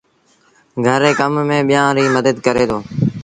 گھر ري ڪم ميݩ ٻيٚآݩ ريٚ مدت ڪري دو